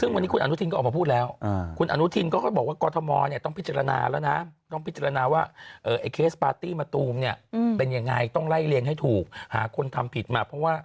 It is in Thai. ซึ่งวันนี้คุณอานุทินก็ออกมาพูดแล้ว